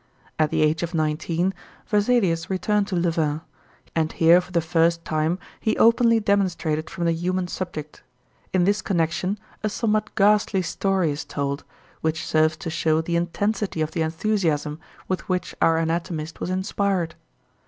At the age of nineteen Vesalius returned to Louvain; and here for the first time he openly demonstrated from the human subject. In this connection a somewhat ghastly story is told, which serves to show the intensity of the enthusiasm with which our anatomist was inspired.